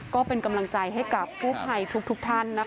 ก็เป็นกำลังใจให้กับกู้ภัยทุกท่านนะคะ